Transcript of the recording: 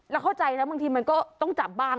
เข้าใจนะบางทีมันก็ต้องจับบ้าง